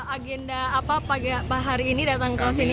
agenda apa pagi hari ini datang ke sini